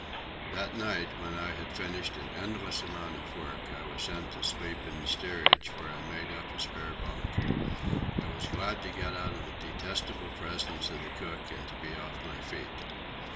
That night, when I had finished an endless amount of work, I was sent to sleep in the steerage, where I made up a spare bunk. I was glad to get out of the detestable presence of the cook and to be off my feet.